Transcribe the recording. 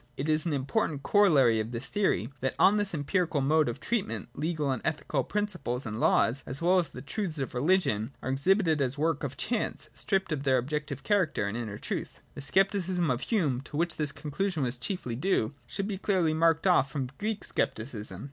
It is an important corollary of this theory, that on this empirical mode of treatment legal and ethical prin ciples and laws, as well as the truths of religion, are exhibited as the work of chance, and stripped of their objective character and inner truth. The scepticism of Hume, to which this conclusion was chiefly due, should be clearly marked off from Greek scepticism.